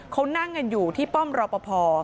เขานั่งกันอยู่ที่ป้อมรอปภ